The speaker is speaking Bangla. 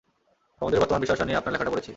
সমুদ্রের বর্তমান বিষয়আশয় নিয়ে আপনার লেখাটা পড়েছি!